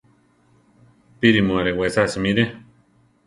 ¡Píri mu arewesa simire!